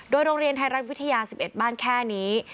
โรงเรียนไทยรัฐวิทยา๑๑บ้านแค่นี้